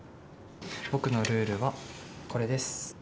僕のルールはこれです。